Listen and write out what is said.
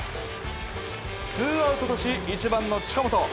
ツーアウトとし、１番の近本。